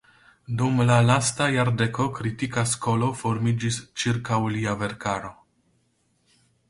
Dum la lasta jardeko kritika skolo formiĝis ĉirkaŭ lia verkaro.